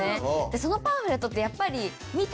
そのパンフレットってやっぱり。